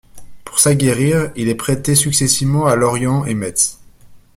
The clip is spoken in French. Pour s'aguerrir, il est prêté successivement à Lorient et Metz.